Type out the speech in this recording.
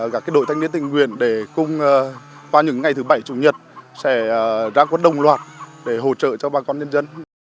và cũng qua những ngày thứ bảy chủ nhật sẽ ra quân đồng loạt để hỗ trợ cho bà con nhân dân